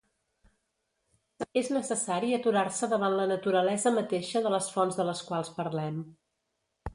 És necessari aturar-se davant la naturalesa mateixa de les fonts de les quals parlem.